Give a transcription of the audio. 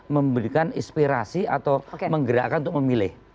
memberikan inspirasi atau menggerakkan untuk memilih